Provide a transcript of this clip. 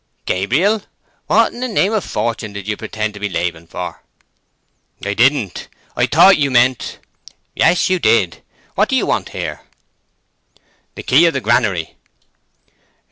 "Gabriel! What in the name of fortune did you pretend to be Laban for?" "I didn't. I thought you meant—" "Yes you did! What do you want here?" "The key of the granary."